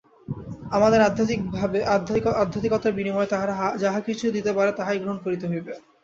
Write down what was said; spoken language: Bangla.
আমাদের আধ্যাত্মিকতার বিনিময়ে তাহারা যাহা কিছু দিতে পারে, তাহাই গ্রহণ করিতে হইবে।